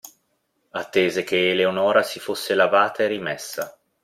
Attese che Eleonora si fosse lavata e rimessa.